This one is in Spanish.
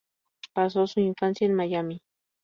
Pasó su infancia en Miami.